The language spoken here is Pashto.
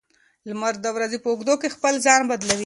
لمر د ورځې په اوږدو کې خپل ځای بدلوي.